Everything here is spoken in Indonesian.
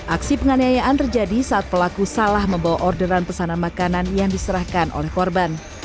aksi penganiayaan terjadi saat pelaku salah membawa orderan pesanan makanan yang diserahkan oleh korban